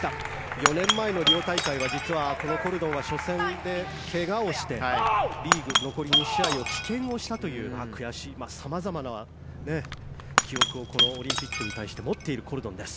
４年前のリオ大会は、実はこのコルドンは初戦で怪我をしてリーグ残り２試合を棄権したという悔しい様々な記憶をこのオリンピックに対して持っているコルドンです。